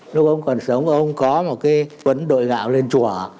lúc ông còn sống ông có một cái quấn đội gạo lên chùa